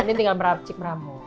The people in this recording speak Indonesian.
andin tinggal cik beramu